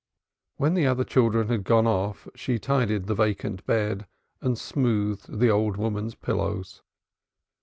When the other children had gone off she tidied up the vacant bed and smoothed the old woman's pillows.